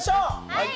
はい！